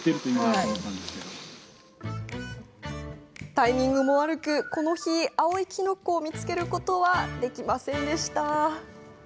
タイミングも悪く、この日青いキノコを見つけることはできませんでした。